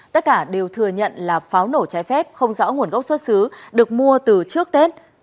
tất cả đều thừa nhận là pháo nổ trái phép không rõ nguồn gốc xuất xứ được mua từ trước tết